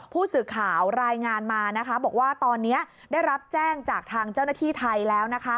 ผู้สื่อข่าวรายงานมานะคะบอกว่าตอนนี้ได้รับแจ้งจากทางเจ้าหน้าที่ไทยแล้วนะคะ